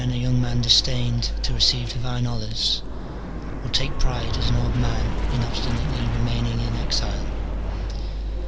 a young man disdained to receive divine honours, will take pride as an old man in obstinately remaining in exile.